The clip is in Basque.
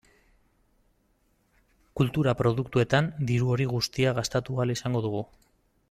Kultura produktuetan diru hori guztia gastatu ahal izango dugu.